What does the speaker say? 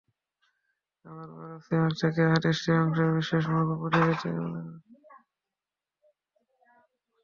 আবার শুরায়ক সিমাক থেকে এ হাদীসটির অংশ বিশেষ মওকুফ পদ্ধতিতে বর্ণনা করেছেন।